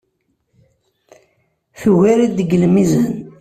Tugar-it deg lmizan.